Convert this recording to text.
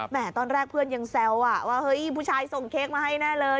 ตอนแรกเพื่อนยังแซวว่าเฮ้ยผู้ชายส่งเค้กมาให้แน่เลย